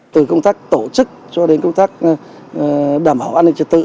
từ công tác tổ chức cho đến công tác đảm bảo an ninh trật tự